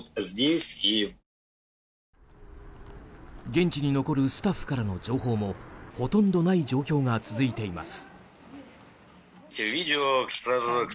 現地に残るスタッフからの情報もほとんどない状況が続いています。